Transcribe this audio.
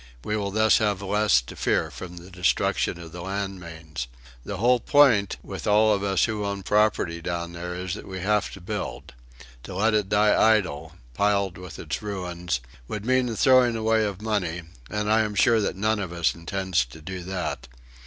We will thus have less to fear from the destruction of the land mains. The whole point with all of us who own property down there is that we have to build. To let it lie idle, piled with its ruins, would mean the throwing away of money, and I am sure none of us intends to do that.